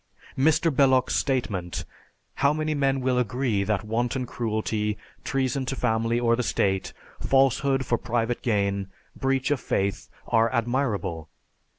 Mr. Belloc's statement, "How many men will agree that wanton cruelty, treason to family or the state, falsehood for private gain, breach of faith, are admirable?"